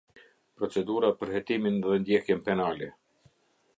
Procedura për hetimin dhe ndjekjen penale.